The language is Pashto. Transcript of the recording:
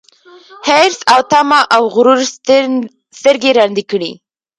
حرص او تمه او غرور سترګي ړندې کړي